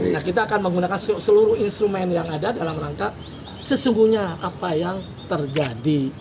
nah kita akan menggunakan seluruh instrumen yang ada dalam rangka sesungguhnya apa yang terjadi